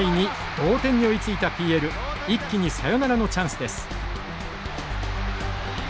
同点に追いついたＰＬ一気にサヨナラのチャンスです。